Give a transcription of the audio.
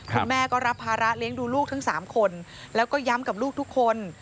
แม่ก็รับภาระเลี้ยงดูลูกทั้ง๓คนแล้วก็ย้ำกับลูกทุกคน